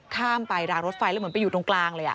ข้ามไปรางรถไฟแล้วเหมือนไปอยู่ตรงกลางเลย